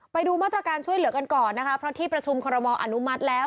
ไปดูมาตรการช่วยเหลือกันก่อนนะคะเพราะที่ประชุมคอรมออนุมัติแล้ว